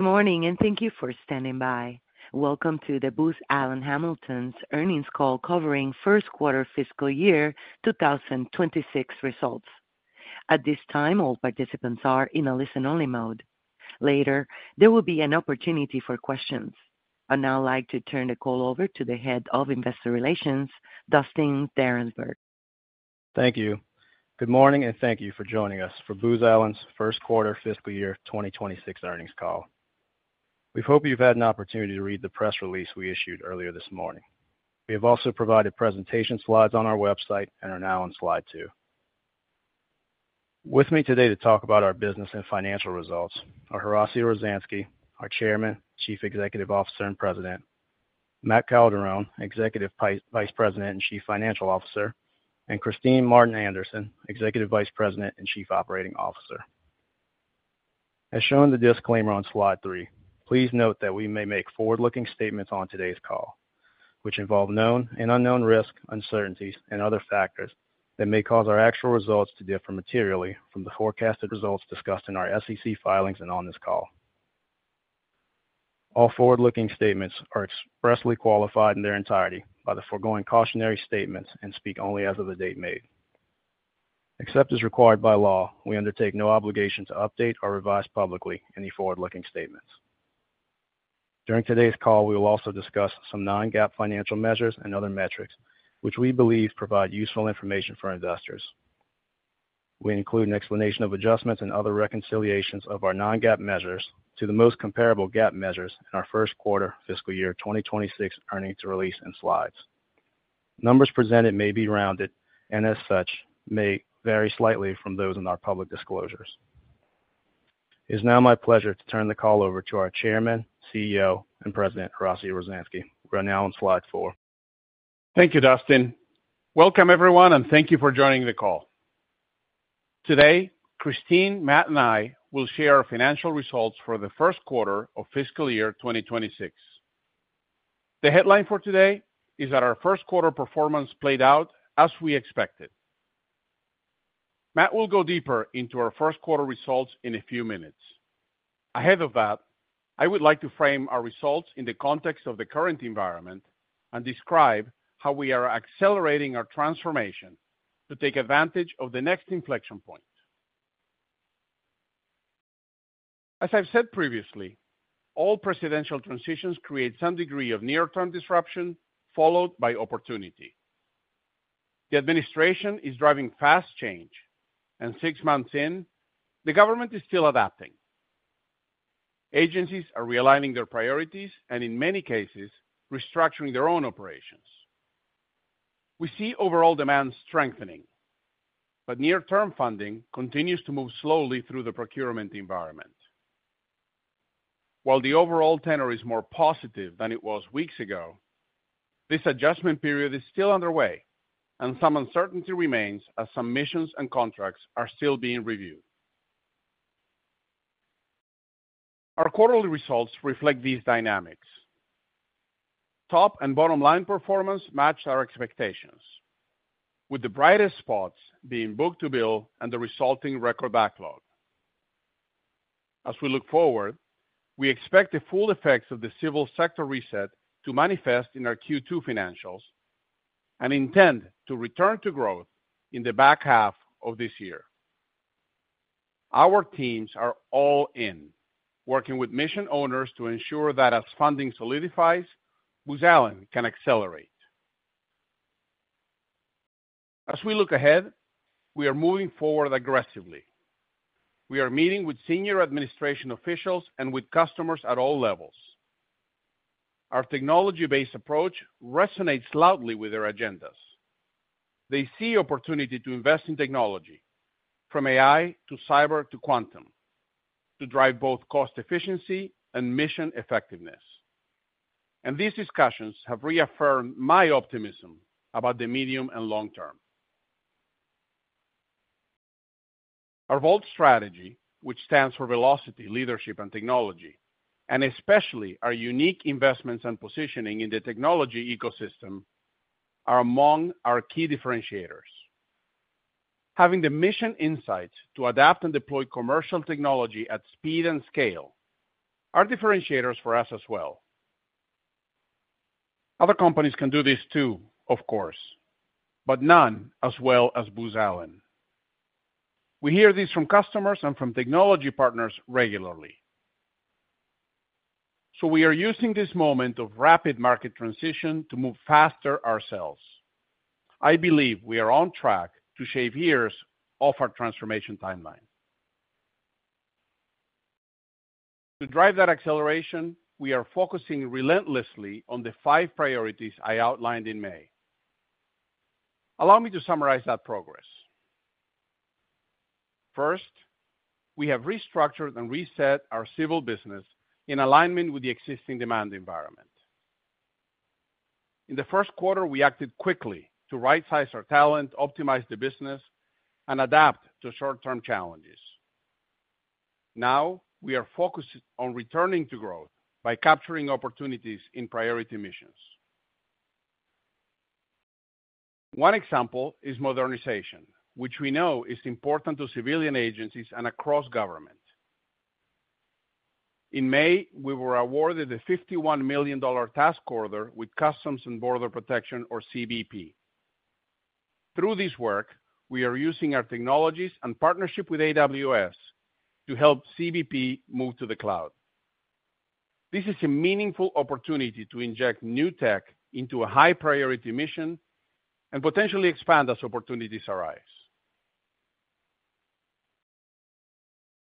Good morning, and thank you for standing by. Welcome to Booz Allen Hamilton's earnings call covering first quarter fiscal year 2026 results. At this time, all participants are in a listen-only mode. Later, there will be an opportunity for questions. I'd now like to turn the call over to the Head of Investor Relations, Dustin Darensbourg. Thank you. Good morning, and thank you for joining us for Booz Allen's first quarter fiscal year 2026 earnings call. We hope you've had an opportunity to read the press release we issued earlier this morning. We have also provided presentation slides on our website and are now on slide two. With me today to talk about our business and financial results are Horacio Rozanski, our Chairman, Chief Executive Officer, and President; Matt Calderone, Executive Vice President and Chief Financial Officer; and Kristine Martin Anderson, Executive Vice President and Chief Operating Officer. As shown in the disclaimer on slide three, please note that we may make forward-looking statements on today's call, which involve known and unknown risk, uncertainties, and other factors that may cause our actual results to differ materially from the forecasted results discussed in our SEC filings and on this call. All forward-looking statements are expressly qualified in their entirety by the foregoing cautionary statements and speak only as of the date made. Except as required by law, we undertake no obligation to update or revise publicly any forward-looking statements. During today's call, we will also discuss some non-GAAP financial measures and other metrics, which we believe provide useful information for investors. We include an explanation of adjustments and other reconciliations of our non-GAAP measures to the most comparable GAAP measures in our first quarter fiscal year 2026 earnings release and slides. Numbers presented may be rounded and, as such, may vary slightly from those in our public disclosures. It is now my pleasure to turn the call over to our Chairman, CEO, and President, Horacio Rozanski, who are now on slide four. Thank you, Dustin. Welcome, everyone, and thank you for joining the call. Today, Kristine, Matt, and I will share our financial results for the first quarter of fiscal year 2026. The headline for today is that our first quarter performance played out as we expected. Matt will go deeper into our first quarter results in a few minutes. Ahead of that, I would like to frame our results in the context of the current environment and describe how we are accelerating our transformation to take advantage of the next inflection point. As I've said previously, all presidential transitions create some degree of near-term disruption followed by opportunity. The administration is driving fast change, and six months in, the government is still adapting. Agencies are realigning their priorities and, in many cases, restructuring their own operations. We see overall demand strengthening, but near-term funding continues to move slowly through the procurement environment. While the overall tenor is more positive than it was weeks ago, this adjustment period is still underway, and some uncertainty remains as some missions and contracts are still being reviewed. Our quarterly results reflect these dynamics. Top and bottom line performance matched our expectations, with the brightest spots being book to bill and the resulting record backlog. As we look forward, we expect the full effects of the civil sector reset to manifest in our Q2 financials and intend to return to growth in the back half of this year. Our teams are all in, working with mission owners to ensure that as funding solidifies, Booz Allen can accelerate. As we look ahead, we are moving forward aggressively. We are meeting with senior administration officials and with customers at all levels. Our technology-based approach resonates loudly with their agendas. They see opportunity to invest in technology, from AI to cyber to quantum, to drive both cost efficiency and mission effectiveness. These discussions have reaffirmed my optimism about the medium and long term. Our VoLT strategy, which stands for Velocity, Leadership, and Technology, and especially our unique investments and positioning in the technology ecosystem, are among our key differentiators. Having the mission insights to adapt and deploy commercial technology at speed and scale are differentiators for us as well. Other companies can do this too, of course, but none as well as Booz Allen. We hear this from customers and from technology partners regularly. We are using this moment of rapid market transition to move faster ourselves. I believe we are on track to shave years off our transformation timeline. To drive that acceleration, we are focusing relentlessly on the five priorities I outlined in May. Allow me to summarize that progress. First, we have restructured and reset our civil business in alignment with the existing demand environment. In the first quarter, we acted quickly to right-size our talent, optimize the business, and adapt to short-term challenges. Now, we are focused on returning to growth by capturing opportunities in priority missions. One example is modernization, which we know is important to civilian agencies and across government. In May, we were awarded a $51 million task order with Customs and Border Protection, or CBP. Through this work, we are using our technologies and partnership with AWS to help CBP move to the cloud. This is a meaningful opportunity to inject new tech into a high-priority mission and potentially expand as opportunities arise.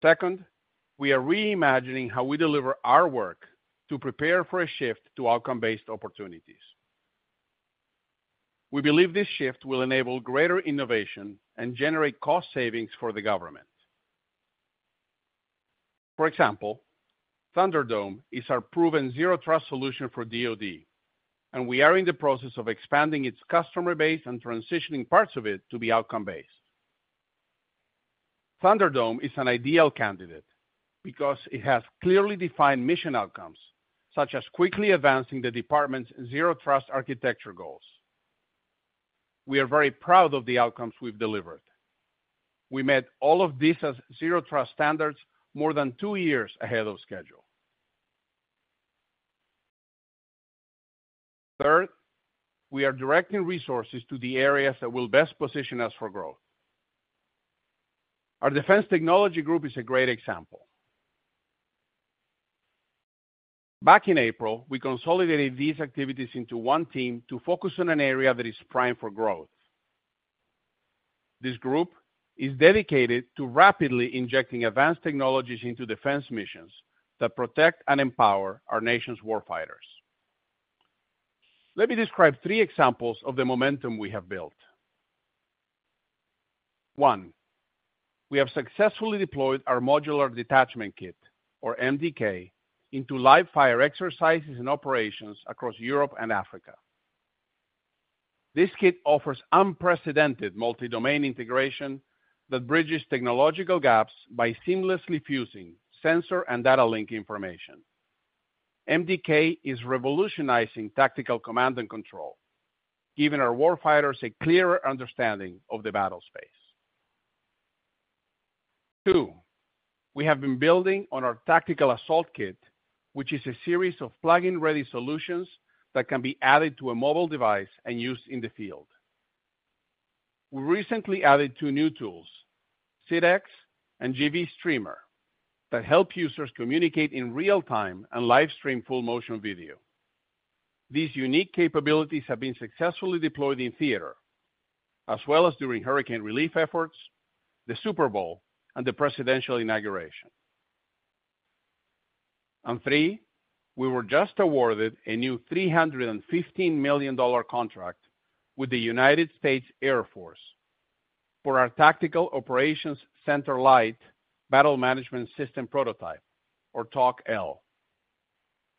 Second, we are reimagining how we deliver our work to prepare for a shift to outcome-based opportunities. We believe this shift will enable greater innovation and generate cost savings for the government. For example, ThunderDome is our proven zero-trust solution for DoD, and we are in the process of expanding its customer base and transitioning parts of it to be outcome-based. ThunderDome is an ideal candidate because it has clearly defined mission outcomes, such as quickly advancing the department's zero-trust architecture goals. We are very proud of the outcomes we've delivered. We met all of these zero-trust standards more than two years ahead of schedule. Third, we are directing resources to the areas that will best position us for growth. Our defense technology group is a great example. Back in April, we consolidated these activities into one team to focus on an area that is primed for growth. This group is dedicated to rapidly injecting advanced technologies into defense missions that protect and empower our nation's warfighters. Let me describe three examples of the momentum we have built. One, we have successfully deployed our modular detachment kit, or MDK, into live-fire exercises and operations across Europe and Africa. This kit offers unprecedented multi-domain integration that bridges technological gaps by seamlessly fusing sensor and data link information. MDK is revolutionizing tactical command and control, giving our warfighters a clearer understanding of the battle space. Two, we have been building on our tactical assault kit, which is a series of plug-in-ready solutions that can be added to a mobile device and used in the field. We recently added two new tools, CIDEX and GV-Streamer, that help users communicate in real time and live-stream full-motion video. These unique capabilities have been successfully deployed in theater, as well as during hurricane relief efforts, the Super Bowl, and the presidential inauguration. Three, we were just awarded a new $315 million contract with the United States Air Force for our tactical operations center light battle management system prototype, or TOC-L.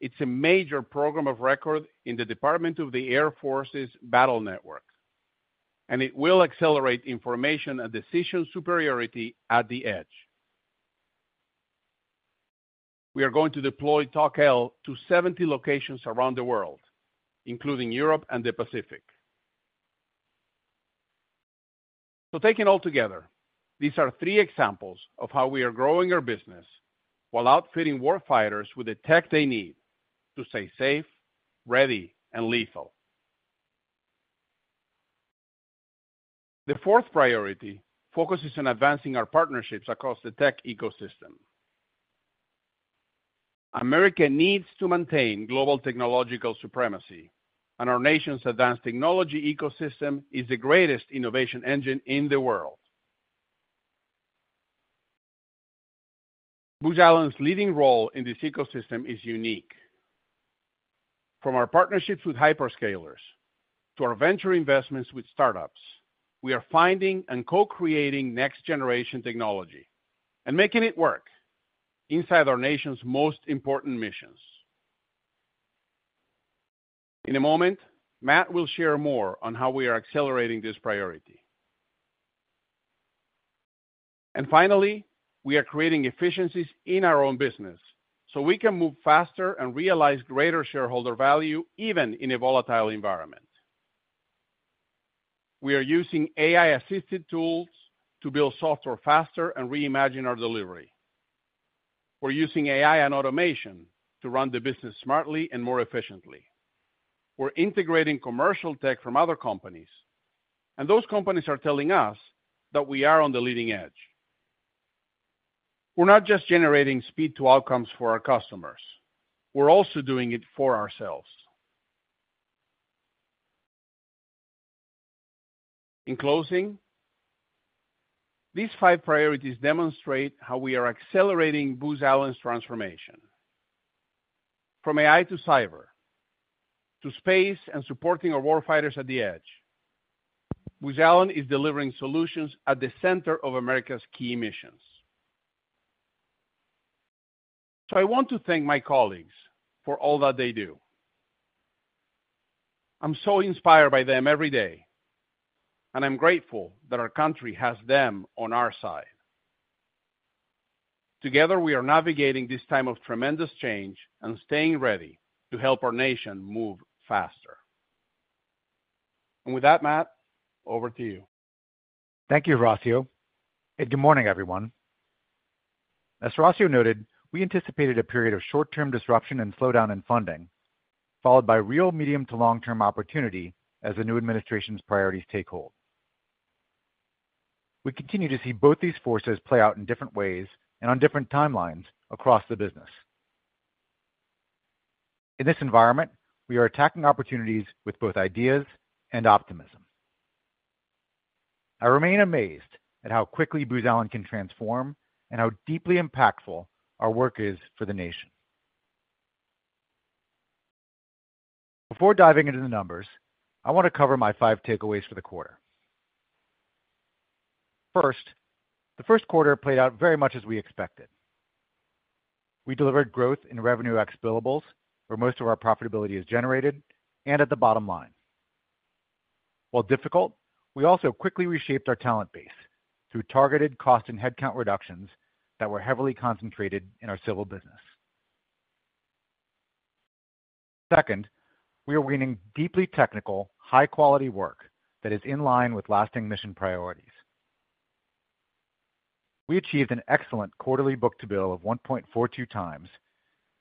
It's a major program of record in the Department of the Air Force's battle network. It will accelerate information and decision superiority at the edge. We are going to deploy TOC-L to 70 locations around the world, including Europe and the Pacific. Taken all together, these are three examples of how we are growing our business while outfitting warfighters with the tech they need to stay safe, ready, and lethal. The fourth priority focuses on advancing our partnerships across the tech ecosystem. America needs to maintain global technological supremacy, and our nation's advanced technology ecosystem is the greatest innovation engine in the world. Booz Allen's leading role in this ecosystem is unique. From our partnerships with hyperscalers to our venture investments with startups, we are finding and co-creating next-generation technology and making it work inside our nation's most important missions. In a moment, Matt will share more on how we are accelerating this priority. Finally, we are creating efficiencies in our own business so we can move faster and realize greater shareholder value even in a volatile environment. We are using AI-assisted tools to build software faster and reimagine our delivery. We are using AI and automation to run the business smartly and more efficiently. We are integrating commercial tech from other companies, and those companies are telling us that we are on the leading edge. We are not just generating speed to outcomes for our customers. We are also doing it for ourselves. In closing, these five priorities demonstrate how we are accelerating Booz Allen's transformation. From AI to cyber to space and supporting our warfighters at the edge, Booz Allen is delivering solutions at the center of America's key missions. I want to thank my colleagues for all that they do. I am so inspired by them every day. I am grateful that our country has them on our side. Together, we are navigating this time of tremendous change and staying ready to help our nation move faster. With that, Matt, over to you. Thank you, Horacio. Good morning, everyone. As Horacio noted, we anticipated a period of short-term disruption and slowdown in funding, followed by real medium to long-term opportunity as the new administration's priorities take hold. We continue to see both these forces play out in different ways and on different timelines across the business. In this environment, we are attacking opportunities with both ideas and optimism. I remain amazed at how quickly Booz Allen can transform and how deeply impactful our work is for the nation. Before diving into the numbers, I want to cover my five takeaways for the quarter. First, the first quarter played out very much as we expected. We delivered growth in revenue ex-billables, where most of our profitability is generated, and at the bottom line. While difficult, we also quickly reshaped our talent base through targeted cost and headcount reductions that were heavily concentrated in our civil business. Second, we are winning deeply technical, high-quality work that is in line with lasting mission priorities. We achieved an excellent quarterly book-to-bill of 1.42 times,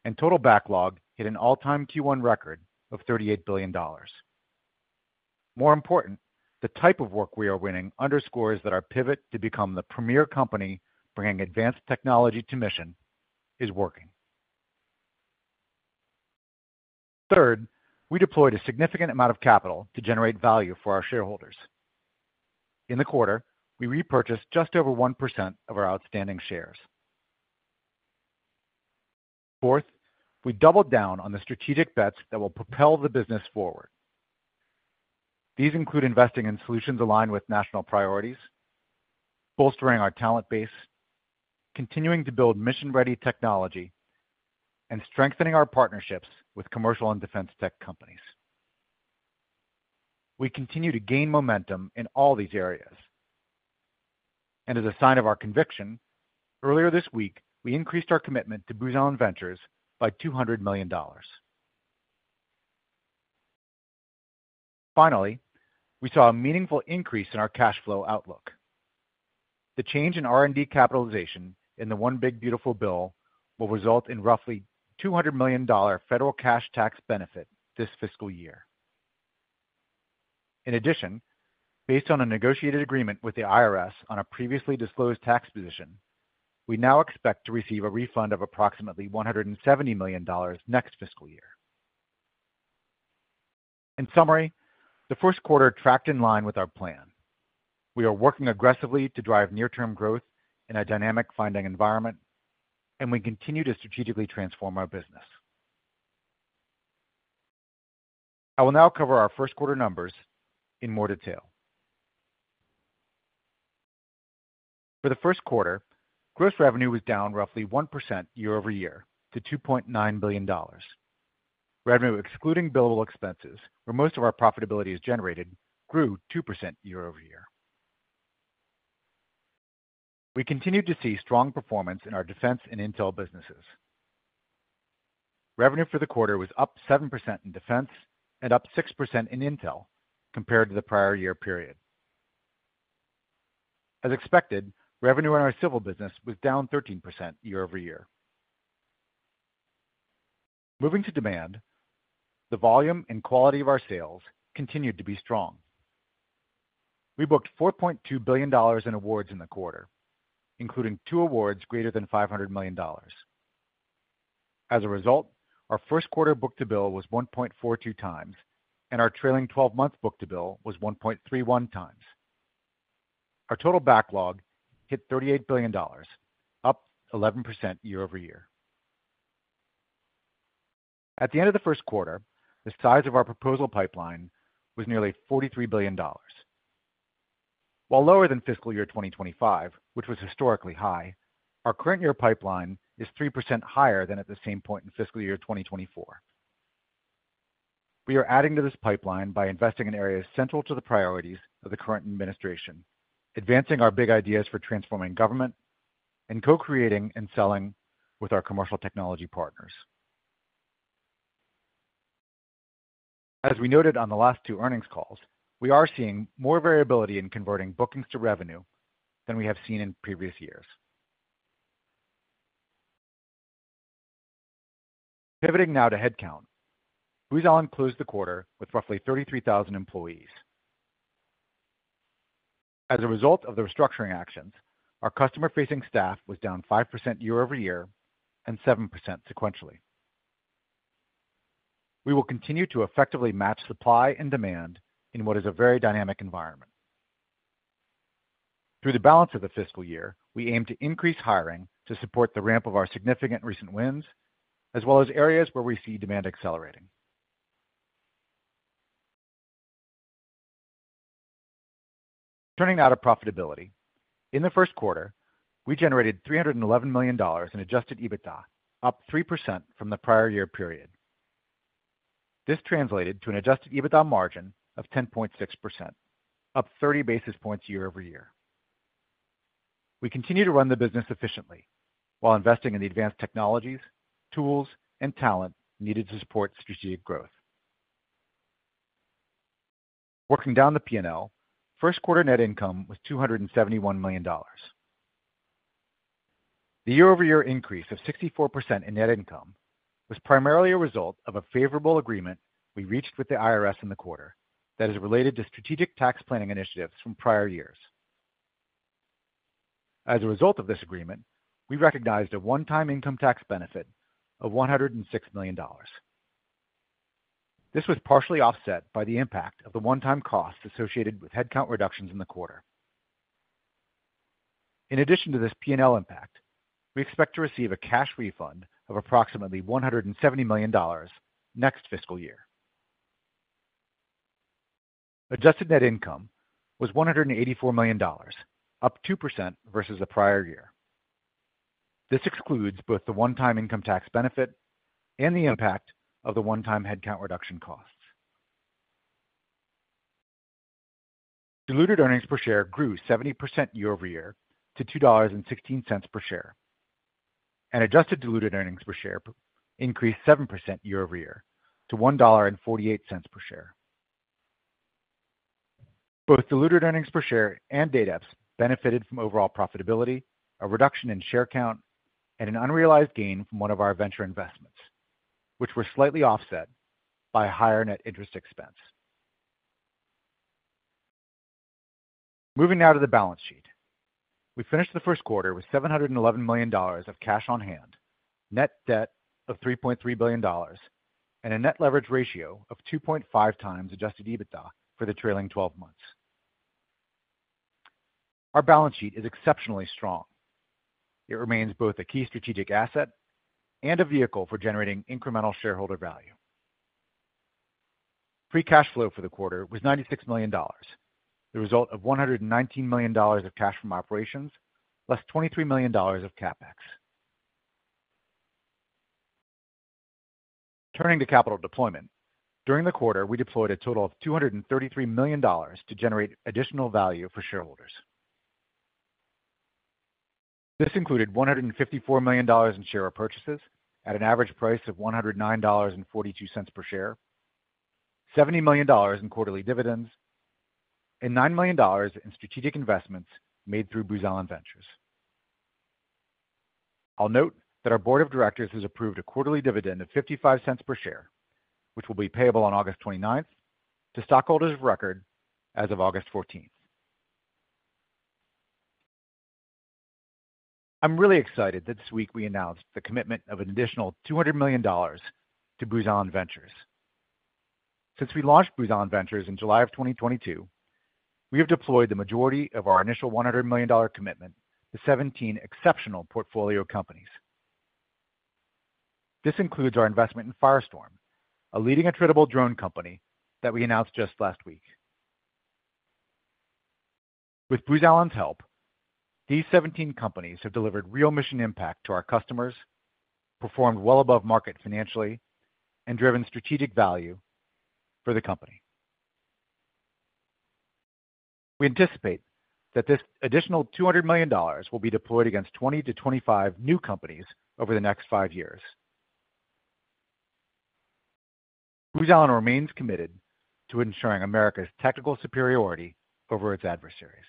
and total backlog hit an all-time Q1 record of $38 billion. More important, the type of work we are winning underscores that our pivot to become the premier company bringing advanced technology to mission is working. Third, we deployed a significant amount of capital to generate value for our shareholders. In the quarter, we repurchased just over 1% of our outstanding shares. Fourth, we doubled down on the strategic bets that will propel the business forward. These include investing in solutions aligned with national priorities, bolstering our talent base, continuing to build mission-ready technology, and strengthening our partnerships with commercial and defense tech companies. We continue to gain momentum in all these areas. As a sign of our conviction, earlier this week, we increased our commitment to Booz Allen Ventures by $200 million. Finally, we saw a meaningful increase in our cash flow outlook. The change in R&D capitalization in the One Big Beautiful Bill will result in roughly $200 million federal cash tax benefit this fiscal year. In addition, based on a negotiated agreement with the IRS on a previously disclosed tax position, we now expect to receive a refund of approximately $170 million next fiscal year. In summary, the first quarter tracked in line with our plan. We are working aggressively to drive near-term growth in a dynamic funding environment, and we continue to strategically transform our business. I will now cover our first quarter numbers in more detail. For the first quarter, gross revenue was down roughly 1% year-over-year to $2.9 billion. Revenue, excluding billable expenses, where most of our profitability is generated, grew 2% year-over-year. We continue to see strong performance in our defense and intel businesses. Revenue for the quarter was up 7% in defense and up 6% in intel compared to the prior year period. As expected, revenue in our civil business was down 13% year-over-year. Moving to demand, the volume and quality of our sales continued to be strong. We booked $4.2 billion in awards in the quarter, including two awards greater than $500 million. As a result, our first quarter book to bill was 1.42 times, and our trailing 12-month book to bill was 1.31 times. Our total backlog hit $38 billion, up 11% year-over-year. At the end of the first quarter, the size of our proposal pipeline was nearly $43 billion. While lower than fiscal year 2025, which was historically high, our current year pipeline is 3% higher than at the same point in fiscal year 2024. We are adding to this pipeline by investing in areas central to the priorities of the current administration, advancing our big ideas for transforming government. And co-creating and selling with our commercial technology partners. As we noted on the last two earnings calls, we are seeing more variability in converting bookings to revenue than we have seen in previous years. Pivoting now to headcount, Booz Allen closed the quarter with roughly 33,000 employees. As a result of the restructuring actions, our customer-facing staff was down 5% year-over-year and 7% sequentially. We will continue to effectively match supply and demand in what is a very dynamic environment. Through the balance of the fiscal year, we aim to increase hiring to support the ramp of our significant recent wins, as well as areas where we see demand accelerating. Turning now to profitability. In the first quarter, we generated $311 million in adjusted EBITDA, up 3% from the prior year period. This translated to an adjusted EBITDA margin of 10.6%, up 30 basis points year-over-year. We continue to run the business efficiently while investing in the advanced technologies, tools, and talent needed to support strategic growth. Working down the P&L, first quarter net income was $271 million. The year-over-year increase of 64% in net income was primarily a result of a favorable agreement we reached with the IRS in the quarter that is related to strategic tax planning initiatives from prior years. As a result of this agreement, we recognized a one-time income tax benefit of $106 million. This was partially offset by the impact of the one-time costs associated with headcount reductions in the quarter. In addition to this P&L impact, we expect to receive a cash refund of approximately $170 million next fiscal year. Adjusted net income was $184 million, up 2% versus the prior year. This excludes both the one-time income tax benefit and the impact of the one-time headcount reduction costs. Diluted earnings per share grew 70% year-over-year to $2.16 per share. And adjusted diluted earnings per share increased 7% year-over-year to $1.48 per share. Both diluted earnings per share and DAEPS benefited from overall profitability, a reduction in share count, and an unrealized gain from one of our venture investments, which were slightly offset by a higher net interest expense. Moving now to the balance sheet. We finished the first quarter with $711 million of cash on hand, net debt of $3.3 billion, and a net leverage ratio of 2.5 times adjusted EBITDA for the trailing 12 months. Our balance sheet is exceptionally strong. It remains both a key strategic asset and a vehicle for generating incremental shareholder value. Free cash flow for the quarter was $96 million, the result of $119 million of cash from operations, plus $23 million of CapEx. Turning to capital deployment, during the quarter, we deployed a total of $233 million to generate additional value for shareholders. This included $154 million in share purchases at an average price of $109.42 per share, $70 million in quarterly dividends, and $9 million in strategic investments made through Booz Allen Ventures. I'll note that our board of directors has approved a quarterly dividend of $0.55 per share, which will be payable on August 29th to stockholders of record as of August 14th. I'm really excited that this week we announced the commitment of an additional $200 million to Booz Allen Ventures. Since we launched Booz Allen Ventures in July of 2022, we have deployed the majority of our initial $100 million commitment to 17 exceptional portfolio companies. This includes our investment in Firestorm, a leading attributable drone company that we announced just last week. With Booz Allen's help, these 17 companies have delivered real mission impact to our customers, performed well above market financially, and driven strategic value for the company. We anticipate that this additional $200 million will be deployed against 20-25 new companies over the next five years. Booz Allen remains committed to ensuring America's technical superiority over its adversaries.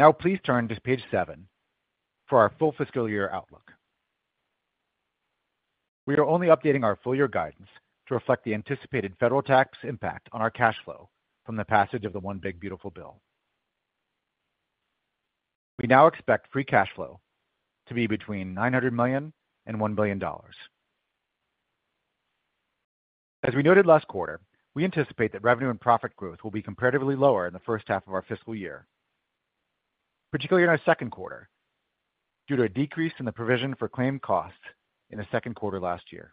Now, please turn to page seven for our full fiscal year outlook. We are only updating our full year guidance to reflect the anticipated federal tax impact on our cash flow from the passage of the One Big Beautiful Bill. We now expect free cash flow to be between $900 million and $1 billion. As we noted last quarter, we anticipate that revenue and profit growth will be comparatively lower in the first half of our fiscal year, particularly in our second quarter, due to a decrease in the provision for claimed costs in the second quarter last year.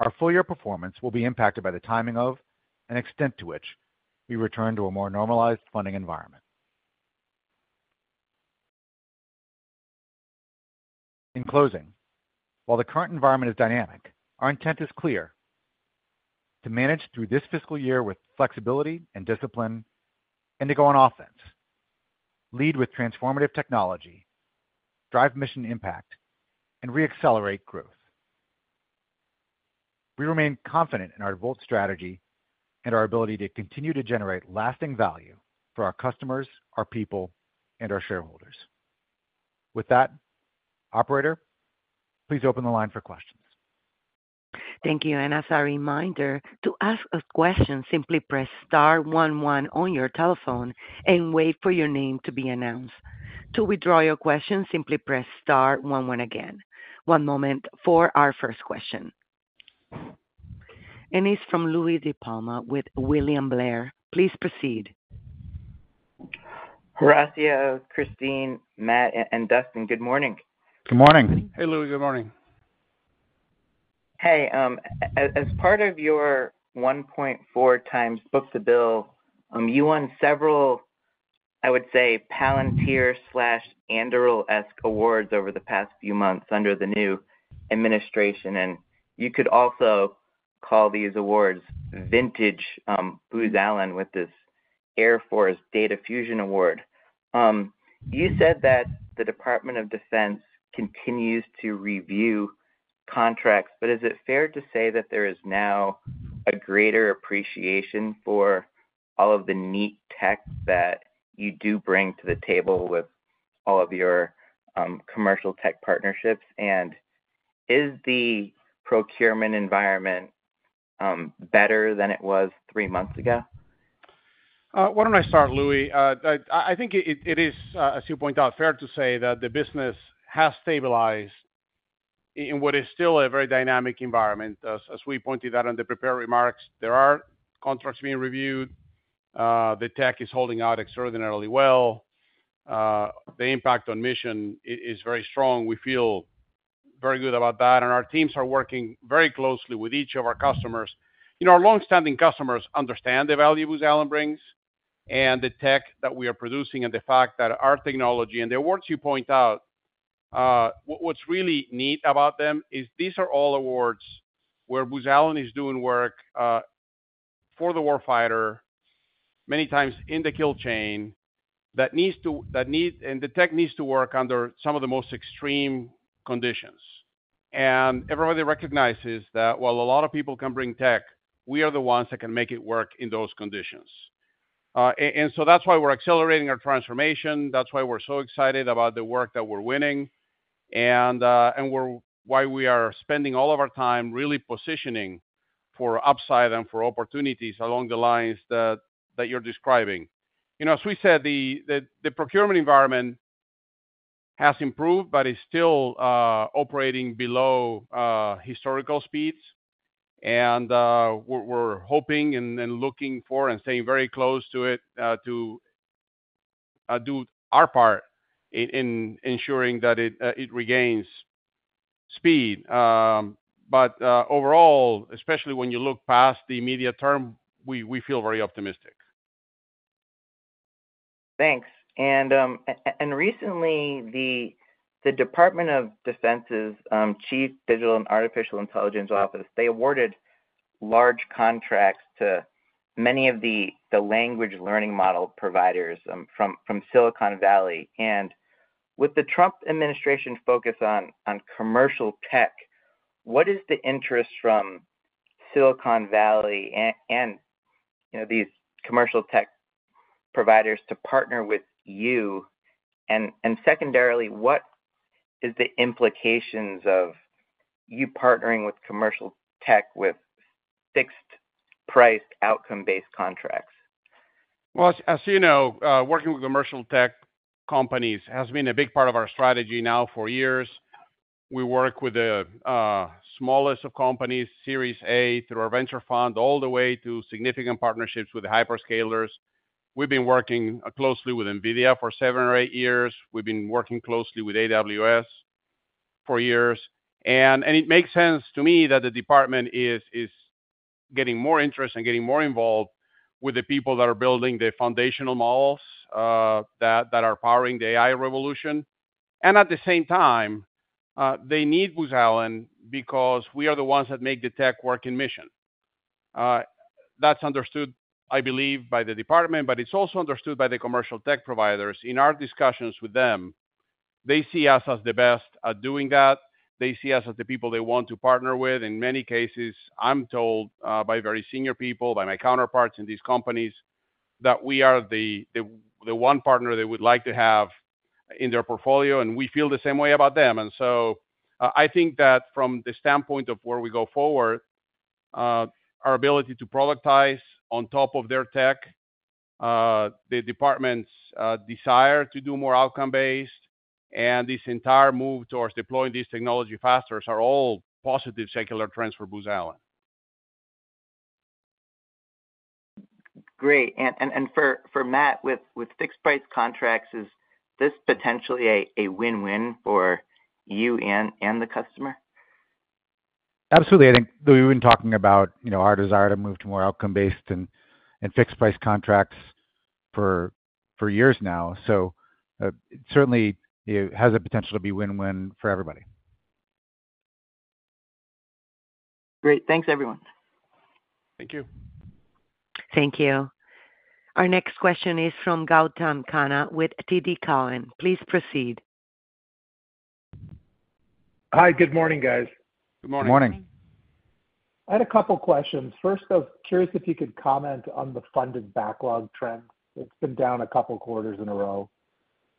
Our full year performance will be impacted by the timing of and extent to which we return to a more normalized funding environment. In closing, while the current environment is dynamic, our intent is clear. To manage through this fiscal year with flexibility and discipline and to go on offense, lead with transformative technology, drive mission impact, and re-accelerate growth. We remain confident in our devolved strategy and our ability to continue to generate lasting value for our customers, our people, and our shareholders. With that. Operator, please open the line for questions. Thank you. As a reminder, to ask a question, simply press star one one on your telephone and wait for your name to be announced. To withdraw your question, simply press Star 11 again. One moment for our first question. It is from Louis De Palma with William Blair. Please proceed. Horacio, Kristine, Matt, and Dustin, good morning. Good morning. Hey, Louis. Good morning. Hey. As part of your 1.4 times book-to-bill, you won several, I would say, Palantir/Anduril-esque awards over the past few months under the new administration. You could also call these awards vintage Booz Allen with this Air Force Data Fusion Award. You said that the Department of Defense continues to review contracts. Is it fair to say that there is now a greater appreciation for all of the neat tech that you do bring to the table with all of your commercial tech partnerships? Is the procurement environment better than it was three months ago? Why do I not start, Louis? I think it is, as you point out, fair to say that the business has stabilized in what is still a very dynamic environment. As we pointed out in the prepared remarks, there are contracts being reviewed. The tech is holding out extraordinarily well. The impact on mission is very strong. We feel very good about that. Our teams are working very closely with each of our customers. Our longstanding customers understand the value Booz Allen brings and the tech that we are producing and the fact that our technology and the awards you point out—what is really neat about them is these are all awards where Booz Allen is doing work for the warfighter, many times in the kill chain that needs, and the tech needs to work under some of the most extreme conditions. Everybody recognizes that while a lot of people can bring tech, we are the ones that can make it work in those conditions. That is why we are accelerating our transformation. That is why we are so excited about the work that we are winning and why we are spending all of our time really positioning for upside and for opportunities along the lines that you are describing. As we said, the procurement environment has improved, but is still operating below historical speeds. We are hoping and looking for and staying very close to it to do our part in ensuring that it regains speed. Overall, especially when you look past the immediate term, we feel very optimistic. Recently, the Department of Defense's Chief Digital and Artificial Intelligence Office awarded large contracts to many of the language learning model providers from Silicon Valley. With the Trump administration focus on commercial tech, what is the interest from Silicon Valley and these commercial tech providers to partner with you? Secondarily, what are the implications of you partnering with commercial tech with fixed-priced outcome-based contracts? As you know, working with commercial tech companies has been a big part of our strategy now for years. We work with the smallest of companies, Series A, through our venture fund, all the way to significant partnerships with the hyperscalers. We've been working closely with NVIDIA for seven or eight years. We've been working closely with AWS for years. It makes sense to me that the department is getting more interest and getting more involved with the people that are building the foundational models that are powering the AI revolution. At the same time, they need Booz Allen because we are the ones that make the tech work in mission. That's understood, I believe, by the department, but it's also understood by the commercial tech providers. In our discussions with them, they see us as the best at doing that. They see us as the people they want to partner with. In many cases, I'm told by very senior people, by my counterparts in these companies, that we are the one partner they would like to have in their portfolio, and we feel the same way about them. I think that from the standpoint of where we go forward, our ability to productize on top of their tech, the department's desire to do more outcome-based, and this entire move towards deploying this technology faster are all positive secular trends for Booz Allen. Great. And for Matt, with fixed-price contracts, is this potentially a win-win for you and the customer? Absolutely. I think we've been talking about our desire to move to more outcome-based and fixed-price contracts for years now. It certainly has the potential to be a win-win for everybody. Great. Thanks, everyone. Thank you. Thank you. Our next question is from Gautam Khanna with TD Cowen. Please proceed. Hi. Good morning guys. Good morning. I had a couple of questions. First, I was curious if you could comment on the funded backlog trend. It's been down a couple of quarters in a row.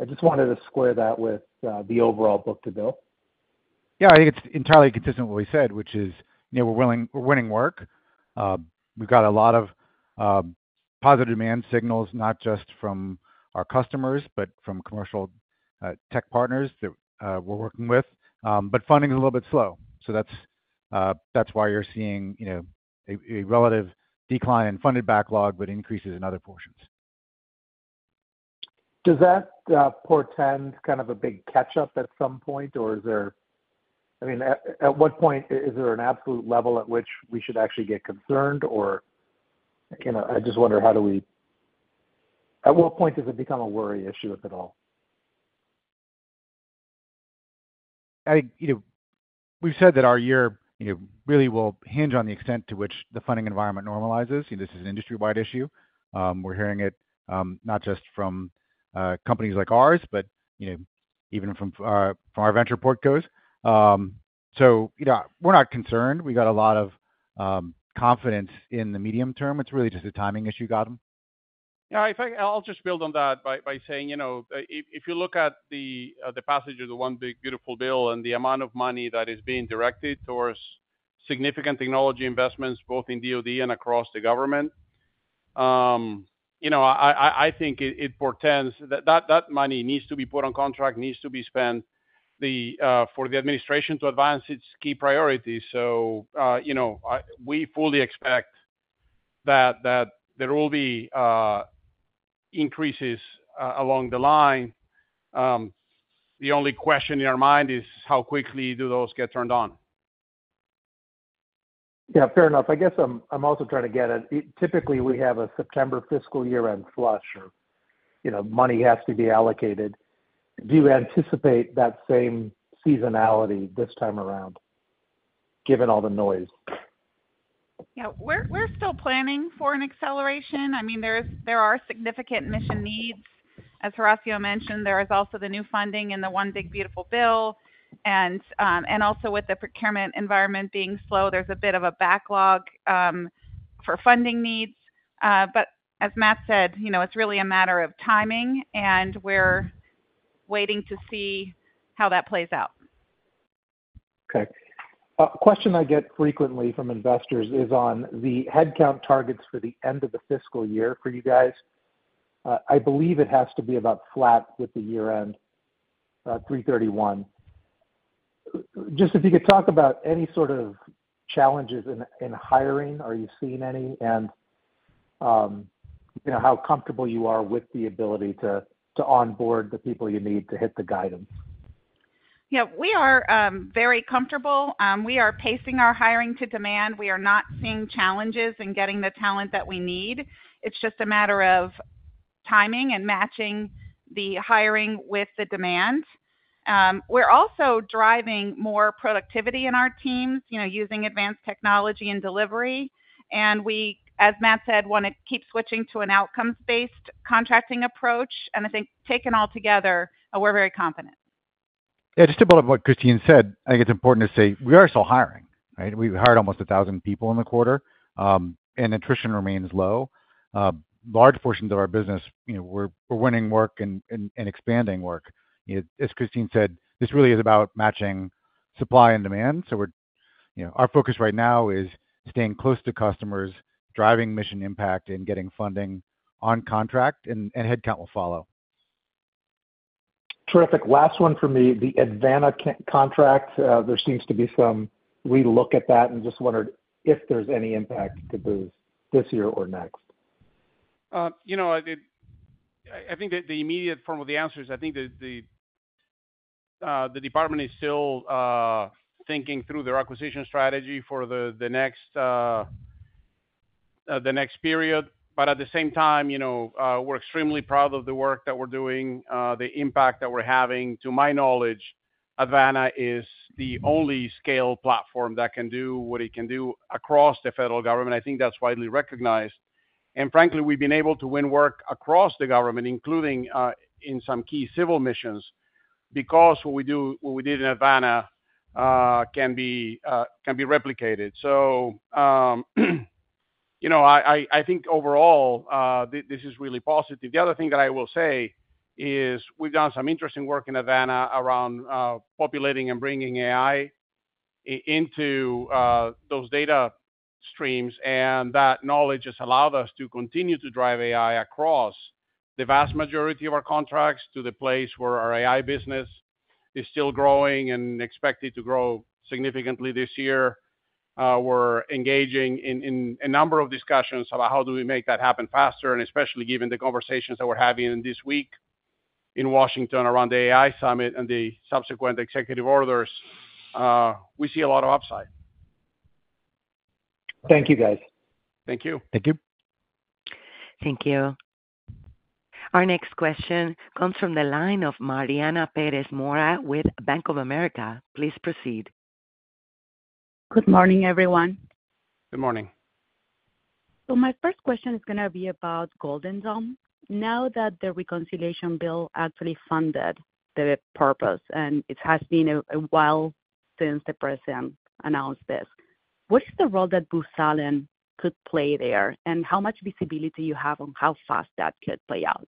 I just wanted to square that with the overall book-to-bill. Yeah. I think it's entirely consistent with what we said, which is we're winning work. We've got a lot of positive demand signals, not just from our customers, but from commercial tech partners that we're working with. Funding is a little bit slow. That's why you're seeing a relative decline in funded backlog, but increases in other portions. Does that portend kind of a big catch-up at some point? I mean, at what point is there an absolute level at which we should actually get concerned? I just wonder how do we, at what point does it become a worry issue, if at all? I think we've said that our year really will hinge on the extent to which the funding environment normalizes. This is an industry-wide issue. We're hearing it not just from companies like ours, but. Even from our venture portcos. So we're not concerned. We got a lot of confidence in the medium term. It's really just the timing issue, Gautam. Yeah. I'll just build on that by saying if you look at the passage of the One Big Beautiful Bill and the amount of money that is being directed towards significant technology investments, both in DoD and across the government, I think it portends that that money needs to be put on contract, needs to be spent for the administration to advance its key priorities. So we fully expect that there will be increases along the line. The only question in our mind is how quickly do those get turned on? Yeah. Fair enough. I guess I'm also trying to get at typically, we have a September fiscal year-end flush where money has to be allocated. Do you anticipate that same seasonality this time around, given all the noise? Yeah. We're still planning for an acceleration. I mean, there are significant mission needs. As Horacio mentioned, there is also the new funding in the One Big Beautiful Bill. And also with the procurement environment being slow, there's a bit of a backlog for funding needs. But as Matt said, it's really a matter of timing, and we're waiting to see how that plays out. Okay. A question I get frequently from investors is on the headcount targets for the end of the fiscal year for you guys. I believe it has to be about flat with the year-end, 331. Just if you could talk about any sort of challenges in hiring, are you seeing any, and how comfortable you are with the ability to onboard the people you need to hit the guidance? Yeah. We are very comfortable. We are pacing our hiring to demand. We are not seeing challenges in getting the talent that we need. It's just a matter of timing and matching the hiring with the demand. We're also driving more productivity in our teams using advanced technology and delivery. And we, as Matt said, want to keep switching to an outcomes-based contracting approach. I think taken all together, we're very confident. Yeah. Just about what Kristine said, I think it's important to say we are still hiring, right? We hired almost 1,000 people in the quarter, and attrition remains low. Large portions of our business, we're winning work and expanding work. As Kristine said, this really is about matching supply and demand. Our focus right now is staying close to customers, driving mission impact, and getting funding on contract, and headcount will follow. Terrific. Last one for me, the Advana contract. There seems to be some relook at that and just wondered if there's any impact to Booz this year or next. I think the immediate form of the answer is I think the department is still thinking through their acquisition strategy for the next period. But at the same time. We're extremely proud of the work that we're doing, the impact that we're having. To my knowledge, Advana is the only scale platform that can do what it can do across the federal government. I think that's widely recognized. Frankly, we've been able to win work across the government, including in some key civil missions, because what we did in Advana can be replicated. I think overall this is really positive. The other thing that I will say is we've done some interesting work in Advana around populating and bringing AI into those data streams. That knowledge has allowed us to continue to drive AI across the vast majority of our contracts to the place where our AI business is still growing and expected to grow significantly this year. We're engaging in a number of discussions about how do we make that happen faster, and especially given the conversations that we're having this week in Washington around the AI summit and the subsequent executive orders. We see a lot of upside. Thank you, guys. Thank you. Thank you. Thank you. Our next question comes from the line of Mariana Pérez Mora with Bank of America. Please proceed. Good morning, everyone. Good morning. My first question is going to be about Golden Dome. Now that the reconciliation bill actually funded the purpose, and it has been a while since the President announced this, what is the role that Booz Allen could play there, and how much visibility you have on how fast that could play out?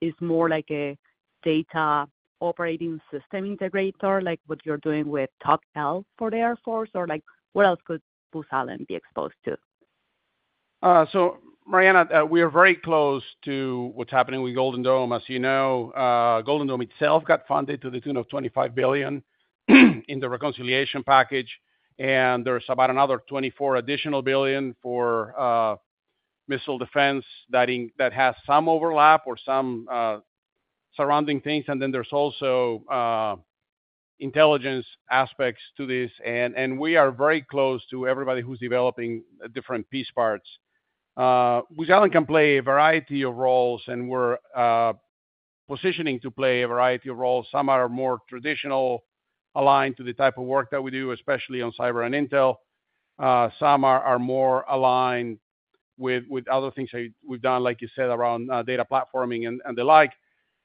Is it more like a data operating system integrator, like what you're doing with TOC-L for the Air Force? Or what else could Booz Allen be exposed to? Mariana, we are very close to what's happening with Golden Dome. As you know, Golden Dome itself got funded to the tune of $25 billion in the reconciliation package. There's about another additional $24 billion for missile defense that has some overlap or some surrounding things. There's also intelligence aspects to this. We are very close to everybody who's developing different piece parts. Booz Allen can play a variety of roles, and we're positioning to play a variety of roles. Some are more traditional, aligned to the type of work that we do, especially on cyber and intel. Some are more aligned with other things we've done, like you said, around data platforming and the like.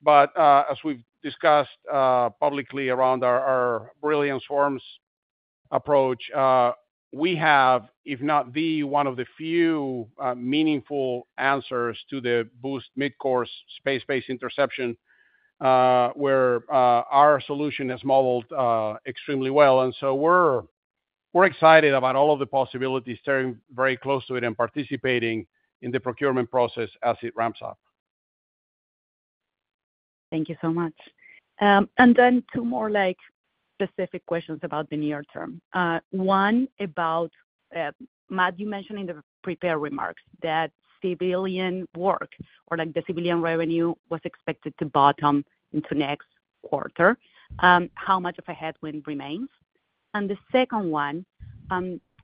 As we've discussed publicly around our brilliance forms approach, we have, if not the one, one of the few meaningful answers to the Booz Midcourse Space Base Interception, where our solution has modeled extremely well. We're excited about all of the possibilities, staying very close to it, and participating in the procurement process as it ramps up. Thank you so much. Two more specific questions about the near term. One about, Matt, you mentioned in the prepared remarks that civilian work or the civilian revenue was expected to bottom into next quarter. How much of a headwind remains? The second one,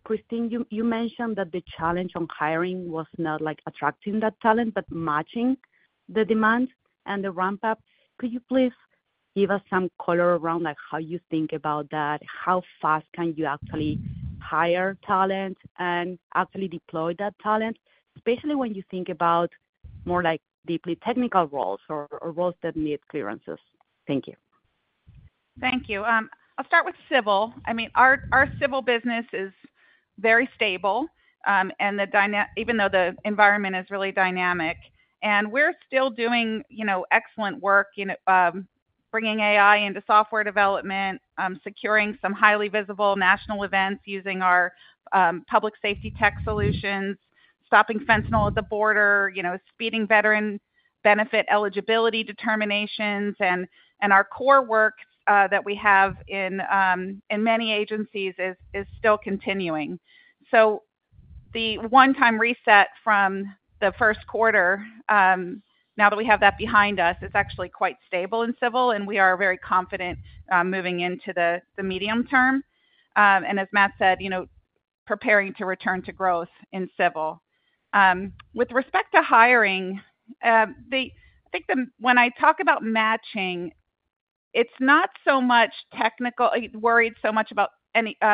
Kristine, you mentioned that the challenge on hiring was not attracting that talent, but matching the demand and the ramp-up. Could you please give us some color around how you think about that? How fast can you actually hire talent and actually deploy that talent, especially when you think about more deeply technical roles or roles that need clearances? Thank you. Thank you. I'll start with civil. I mean, our civil business is very stable, even though the environment is really dynamic, and we're still doing excellent work. Bringing AI into software development, securing some highly visible national events using our public safety tech solutions, stopping fentanyl at the border, speeding veteran benefit eligibility determinations, and our core work that we have in many agencies is still continuing. The one-time reset from the first quarter, now that we have that behind us, is actually quite stable in civil, and we are very confident moving into the medium term. As Matt said, preparing to return to growth in civil. With respect to hiring, I think when I talk about matching, it's not so much technical, worried so much about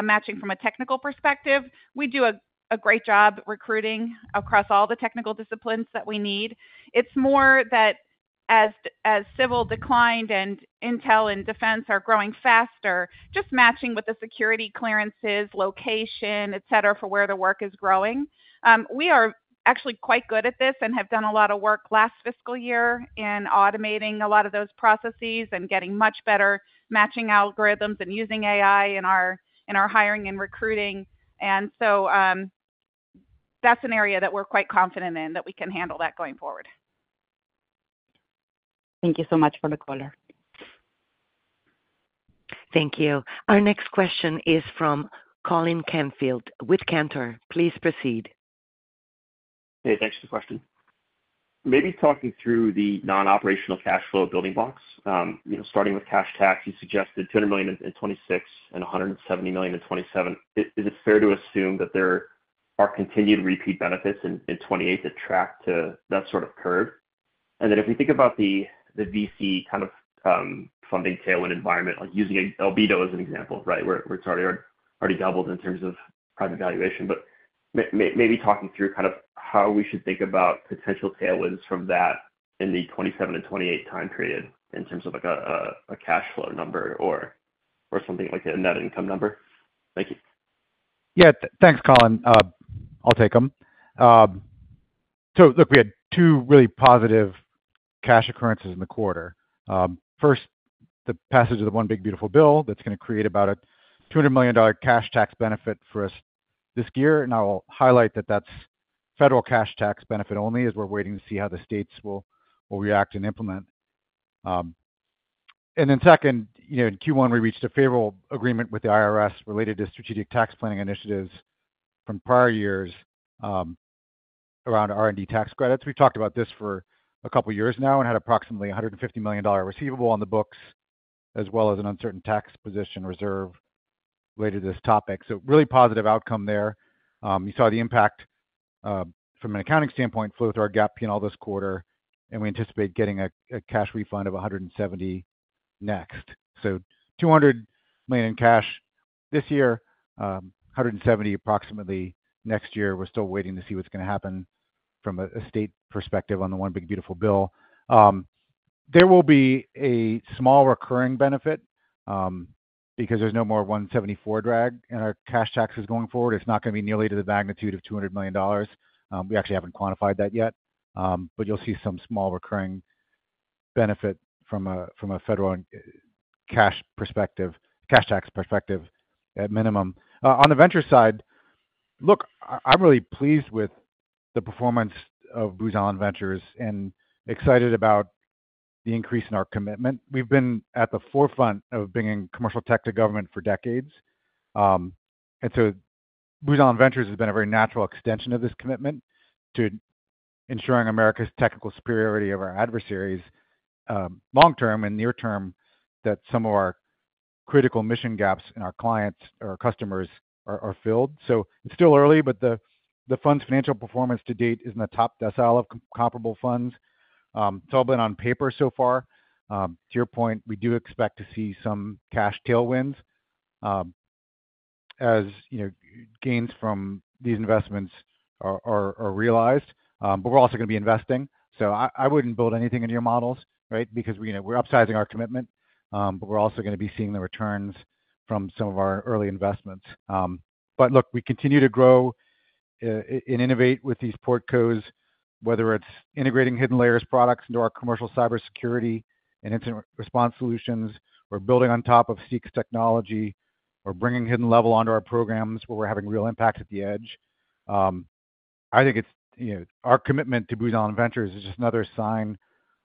matching from a technical perspective. We do a great job recruiting across all the technical disciplines that we need. It's more that as civil declined and intel and defense are growing faster, just matching with the security clearances, location, etc., for where the work is growing. We are actually quite good at this and have done a lot of work last fiscal year in automating a lot of those processes and getting much better matching algorithms and using AI in our hiring and recruiting. That's an area that we're quite confident in, that we can ha`ndle that going forward. Thank you so much for the color. Thank you. Our next question is from Colin Canfield with Cantor. Please proceed. Hey, thanks for the question. Maybe talking through the non-operational cash flow building blocks. Starting with cash tax, you suggested $200 million in 2026 and $170 million in 2027. Is it fair to assume that there are continued repeat benefits in 2028 that track to that sort of curve? If we think about the VC kind of funding tailwind environment, using Albedo as an example, right, where it's already doubled in terms of privatization, but maybe talking through kind of how we should think about potential tailwinds from that in the 2027 and 2028 time period in terms of a cash flow number or something like a net income number. Thank you. Yeah. Thanks, Colin. I'll take them. Look, we had two really positive cash occurrences in the quarter. First, the passage of the One Big Beautiful Bill that's going to create about a $200 million cash tax benefit for us this year. I will highlight that that's federal cash tax benefit only as we're waiting to see how the states will react and implement. Second, in Q1, we reached a favorable agreement with the IRS related to strategic tax planning initiatives from prior years around R&D tax credits. We've talked about this for a couple of years now and had approximately $150 million receivable on the books, as well as an uncertain tax position reserve related to this topic. Really positive outcome there. You saw the impact from an accounting standpoint flow through our GAAP P&L this quarter, and we anticipate getting a cash refund of $170 million next. So $200 million in cash this year, $170 million approximately next year. We're still waiting to see what's going to happen from a state perspective on the One Big Beautiful Bill. There will be a small recurring benefit because there's no more $174 million drag in our cash taxes going forward. It's not going to be nearly to the magnitude of $200 million. We actually haven't quantified that yet, but you'll see some small recurring benefit from a federal cash perspective, cash tax perspective at minimum. On the venture side, look, I'm really pleased with the performance of Booz Allen Ventures and excited about the increase in our commitment. We've been at the forefront of bringing commercial tech to government for decades, and Booz Allen Ventures has been a very natural extension of this commitment to ensuring America's technical superiority over our adversaries. Long-term and near-term, that some of our critical mission gaps in our clients or customers are filled. It's still early, but the fund's financial performance to date is in the top decile of comparable funds. It's all been on paper so far. To your point, we do expect to see some cash tailwinds as gains from these investments are realized. We're also going to be investing, so I wouldn't build anything in your models, right, because we're upsizing our commitment. We're also going to be seeing the returns from some of our early investments. We continue to grow and innovate with these PortCos, whether it's integrating HiddenLayer's products into our commercial cybersecurity and incident response solutions, or building on top of Seek's technology, or bringing Hidden Level onto our programs where we're having real impact at the edge. I think our commitment to Booz Allen Ventures is just another sign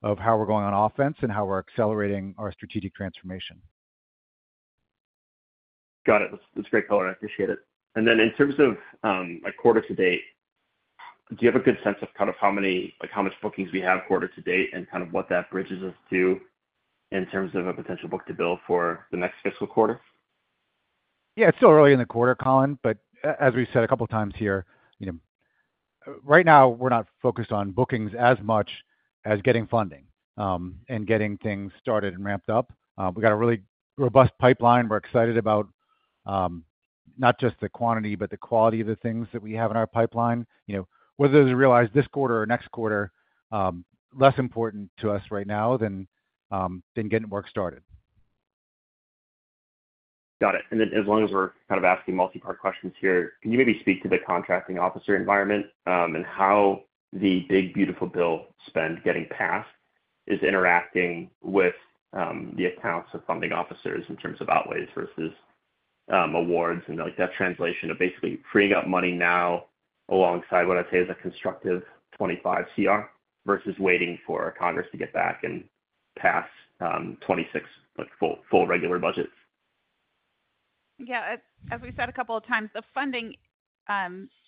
of how we're going on offense and how we're accelerating our strategic transformation. Got it. That's great color. I appreciate it. In terms of quarter to date, do you have a good sense of kind of how much bookings we have quarter-to-date and kind of what that bridges us to in terms of a potential book-to-bill for the next fiscal quarter? It's still early in the quarter, Colin. As we said a couple of times here. Right now, we're not focused on bookings as much as getting funding and getting things started and ramped up. We've got a really robust pipeline we're excited about. Not just the quantity, but the quality of the things that we have in our pipeline. Whether those are realized this quarter or next quarter is less important to us right now than getting work started. Got it. And then as long as we're kind of asking multi-part questions here, can you maybe speak to the contracting officer environment and how the Big Beautiful Bill spend getting passed is interacting with the accounts of funding officers in terms of outlays versus awards and that translation of basically freeing up money now alongside what I'd say is a constructive 2025 CR versus waiting for Congress to get back and pass 2026 full regular budgets? Yeah. As we said a couple of times, the funding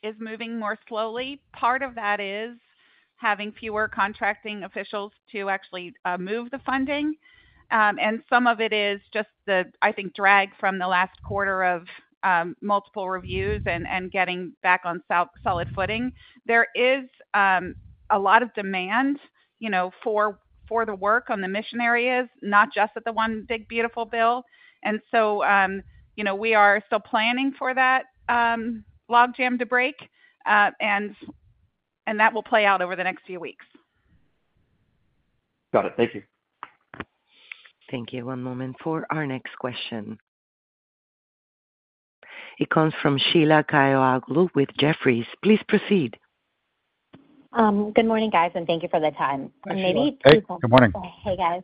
is moving more slowly. Part of that is having fewer contracting officials to actually move the funding. And some of it is just the, I think, drag from the last quarter of multiple reviews and getting back on solid footing. There is a lot of demand for the work on the mission areas, not just at the One Big Beautiful Bill. And so we are still planning for that log jam to break. And that will play out over the next few weeks. Got it. Thank you. Thank you. One moment for our next question. It comes from Sheila Kahyaoglu with Jefferies. Please proceed. Good morning, guys, and thank you for the time. And maybe two questions. Hey, guys.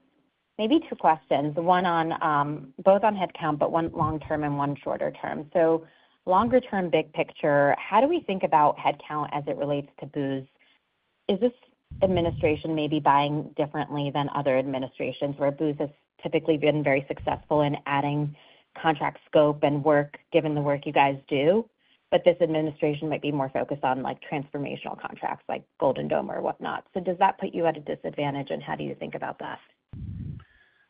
Maybe two questions. One on both on headcount, but one long-term and one shorter term. So longer-term big picture, how do we think about headcount as it relates to Booz? Is this administration maybe buying differently than other administrations where Booz has typically been very successful in adding contract scope and work given the work you guys do? But this administration might be more focused on transformational contracts like Golden Dome or whatnot. So does that put you at a disadvantage, and how do you think about that?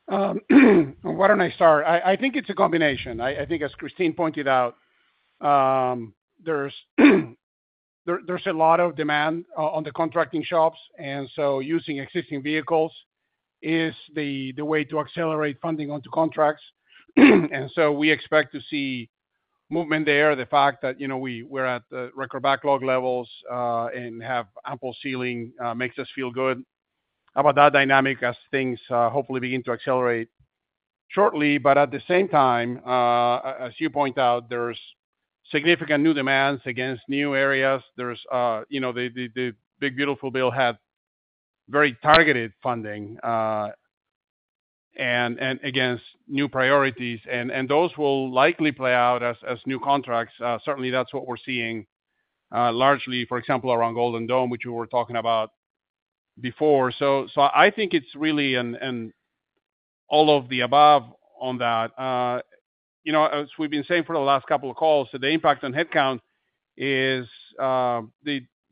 Why don't I start? I think it's a combination. I think, as Kristine pointed out, there's a lot of demand on the contracting shops. And so using existing vehicles is the way to accelerate funding onto contracts. And so we expect to see movement there. The fact that we're at record backlog levels and have ample ceiling makes us feel good about that dynamic as things hopefully begin to accelerate shortly. At the same time, as you point out, there's significant new demands against new areas. The Big Beautiful Bill had very targeted funding against new priorities. And those will likely play out as new contracts. Certainly, that's what we're seeing, largely, for example, around Golden Dome, which we were talking about before. I think it's really all of the above on that. As we've been saying for the last couple of calls, the impact on headcount is.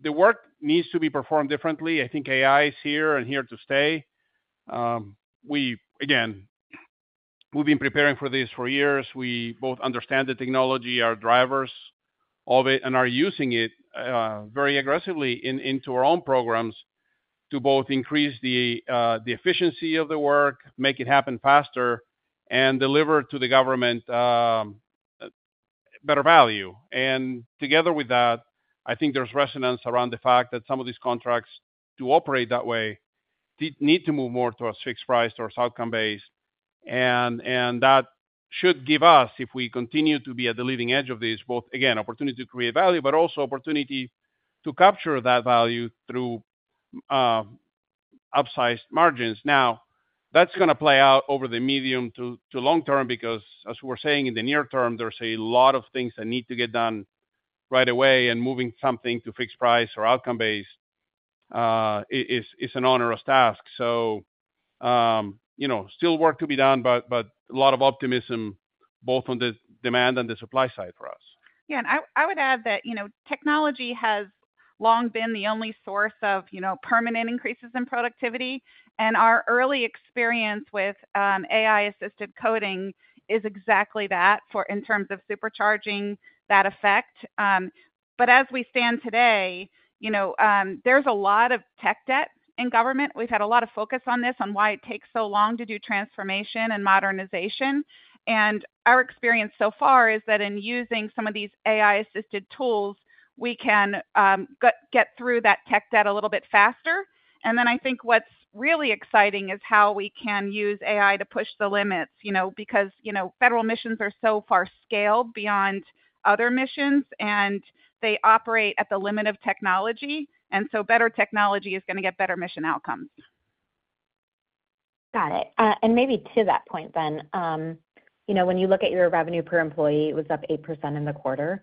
The work needs to be performed differently. I think AI is here and here to stay. Again. We've been preparing for this for years. We both understand the technology, our drivers of it, and are using it very aggressively into our own programs to both increase the efficiency of the work, make it happen faster, and deliver to the government better value. Together with that, I think there's resonance around the fact that some of these contracts to operate that way. Need to move more towards fixed price, towards outcome-based. That should give us, if we continue to be at the leading edge of this, both, again, opportunity to create value, but also opportunity to capture that value through. Upsized margins. Now, that's going to play out over the medium to long term because, as we were saying, in the near term, there's a lot of things that need to get done right away. Moving something to fixed price or outcome-based is an onerous task. Still work to be done, but a lot of optimism both on the demand and the supply side for us. Yeah. I would add that technology has long been the only source of permanent increases in productivity. Our early experience with AI-assisted coding is exactly that in terms of supercharging that effect. As we stand today. There's a lot of tech debt in government. We've had a lot of focus on this on why it takes so long to do transformation and modernization. Our experience so far is that in using some of these AI-assisted tools, we can get through that tech debt a little bit faster. I think what's really exciting is how we can use AI to push the limits because federal missions are so far scaled beyond other missions, and they operate at the limit of technology. Better technology is going to get better mission outcomes. Got it. Maybe to that point, then. When you look at your revenue per employee, it was up 8% in the quarter.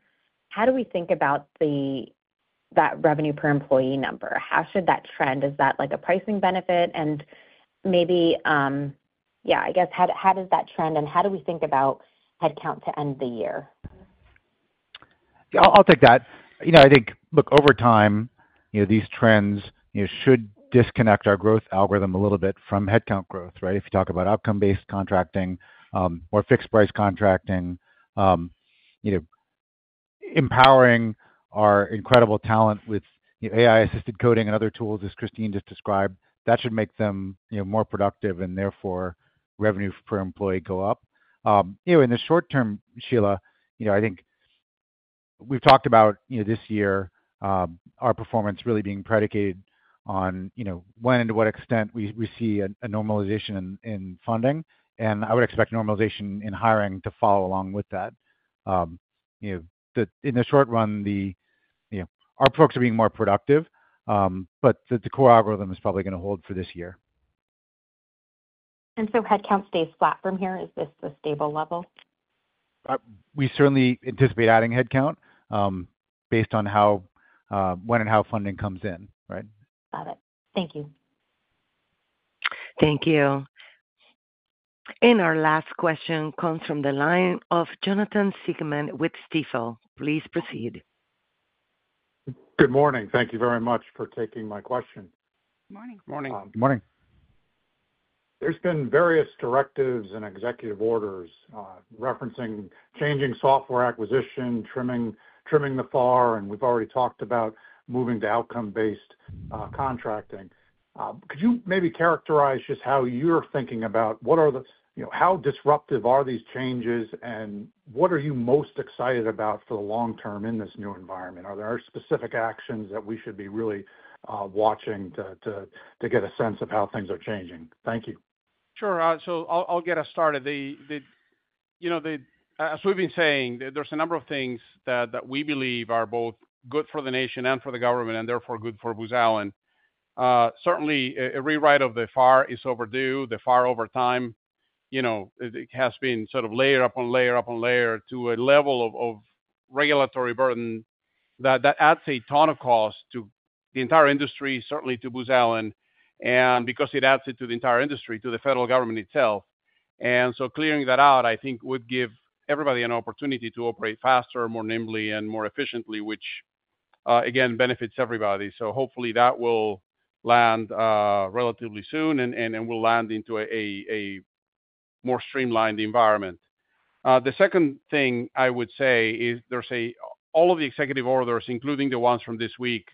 How do we think about. That revenue per employee number? How should that trend? Is that a pricing benefit? Maybe. Yeah, I guess, how does that trend and how do we think about headcount to end the year? I'll take that. I think, look, over time, these trends should disconnect our growth algorithm a little bit from headcount growth, right? If you talk about outcome-based contracting or fixed-price contracting. Empowering our incredible talent with AI-assisted coding and other tools, as Kristine just described, that should make them more productive and therefore revenue per employee go up. In the short term, Sheila, I think. We've talked about this year. Our performance really being predicated on. When and to what extent we see a normalization in funding. I would expect normalization in hiring to follow along with that. In the short run, our folks are being more productive, but the core algorithm is probably going to hold for this year. Headcount stays flat from here? Is this a stable level? We certainly anticipate adding headcount based on when and how funding comes in, right? Got it. Thank you. Thank you. Our last question comes from the line of Jonathan Siegmann with Stifel. Please proceed. Good morning. Thank you very much for taking my question. Good morning. Good morning. Good morning. There have been various directives and executive orders referencing changing software acquisition, trimming the FAR, and we have already talked about moving to outcome-based contracting. Could you maybe characterize just how you are thinking about what are the, how disruptive are these changes, and what are you most excited about for the long term in this new environment? Are there specific actions that we should be really watching to get a sense of how things are changing? Thank you. Sure. I will get us started. As we have been saying, there are a number of things that we believe are both good for the nation and for the government and therefore good for Booz Allen. Certainly, a rewrite of the FAR is overdue. The FAR over time has been sort of layer upon layer upon layer to a level of regulatory burden that adds a ton of cost to the entire industry, certainly to Booz Allen, and because it adds it to the entire industry, to the federal government itself. Clearing that out, I think, would give everybody an opportunity to operate faster, more nimbly, and more efficiently, which again benefits everybody. Hopefully that will land relatively soon and will land into a more streamlined environment. The second thing I would say is all of the executive orders, including the ones from this week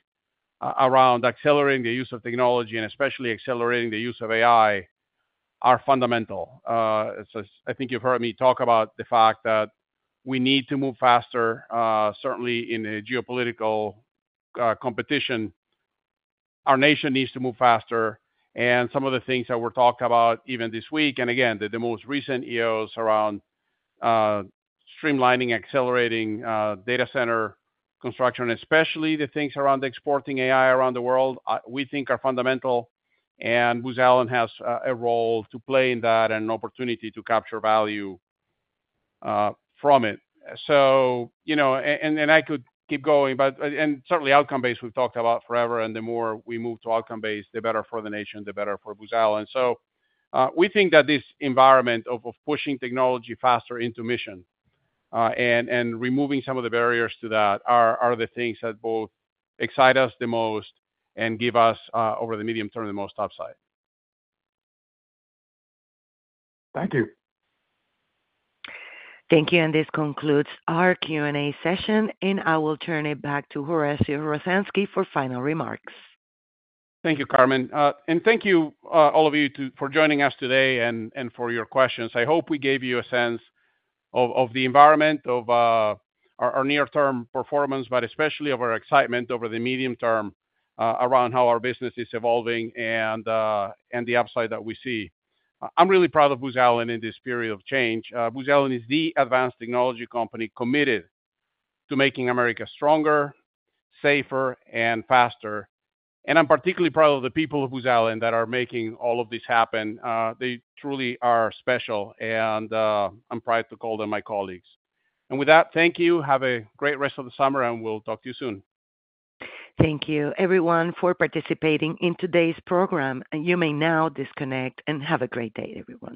around accelerating the use of technology and especially accelerating the use of AI, are fundamental. I think you have heard me talk about the fact that we need to move faster, certainly in a geopolitical competition. Our nation needs to move faster. Some of the things that were talked about even this week, and again, the most recent EOs around streamlining and accelerating data center construction, especially the things around exporting AI around the world, we think are fundamental. Booz Allen has a role to play in that and an opportunity to capture value from it. I could keep going, but certainly outcome-based, we have talked about forever. The more we move to outcome-based, the better for the nation, the better for Booz Allen. We think that this environment of pushing technology faster into mission and removing some of the barriers to that are the things that both excite us the most and give us, over the medium term, the most upside. Thank you. Thank you. This concludes our Q&A session, and I will turn it back to Horacio Rozanski for final remarks. Thank you, Carmen. Thank you, all of you, for joining us today and for your questions. I hope we gave you a sense of the environment, our near-term performance, but especially of our excitement over the medium term around how our business is evolving and the upside that we see. I am really proud of Booz Allen in this period of change. Booz Allen is the advanced technology company committed to making America stronger, safer, and faster. I am particularly proud of the people of Booz Allen that are making all of this happen. They truly are special, and I am proud to call them my colleagues. With that, thank you. Have a great rest of the summer, and we will talk to you soon. Thank you, everyone, for participating in today's program. You may now disconnect and have a great day, everyone.